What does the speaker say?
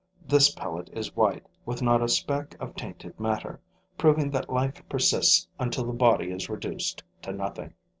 This pellet is white, with not a speck of tainted matter, proving that life persists until the body is reduced to nothing.